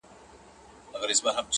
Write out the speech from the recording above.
ځيني يې سخت واقعيت بولي ډېر,